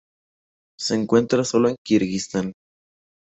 Se encuentra sólo en Kirguistán.